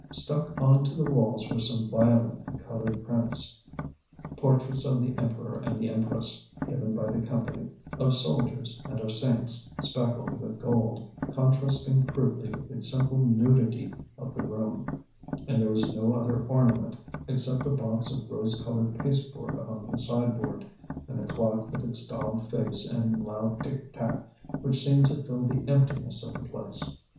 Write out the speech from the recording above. Stuck on to the walls were some violently coloured prints, portraits of the Emperor and the Empress, given by the Company, of soldiers and of saints speckled with gold, contrasting crudely with the simple nudity of the room; and there was no other ornament except a box of rose coloured pasteboard on the sideboard, and the clock with its daubed face and loud tick tack, which seemed to fill the emptiness of the place.